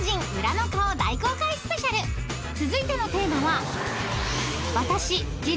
［続いてのテーマは］